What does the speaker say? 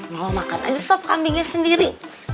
mau makan aja sop kambingnya sendiri